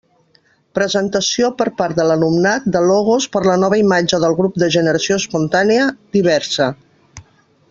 Presentació per part de l'alumnat de logos per a la nova imatge del grup de Generació Espontània «DIVERSA».